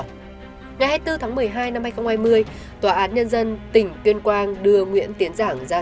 ngày hai mươi bốn tháng một mươi hai năm hai nghìn hai mươi tòa án nhân dân tỉnh tuyên quang đưa nguyễn tiến giảng ra